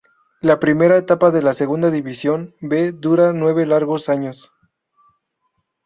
La primera etapa de la Segunda División B, dura nueve largos años.